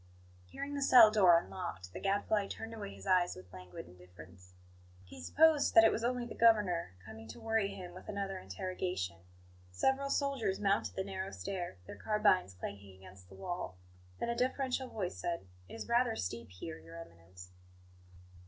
HEARING the cell door unlocked, the Gadfly turned away his eyes with languid indifference. He supposed that it was only the Governor, coming to worry him with another interrogation. Several soldiers mounted the narrow stair, their carbines clanking against the wall; then a deferential voice said: "It is rather steep here, Your Eminence."